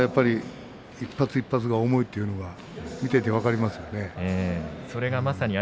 一発一発が重いというのが見ていて分かりますね。